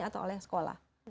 atau oleh sekolah